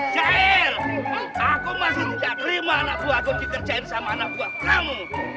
cell aku masih tidak terima anak buah aku dikerjain sama anak buah kamu